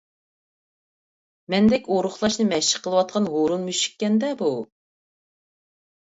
مەندەك ئورۇقلاشنى مەشىق قىلىۋاتقان ھۇرۇن مۈشۈككەندە بۇ؟